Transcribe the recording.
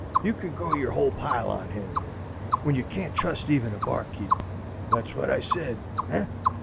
You can go your whole pile on him, when you can't trust even a bar keep.' Thet's wot I said. Eh?"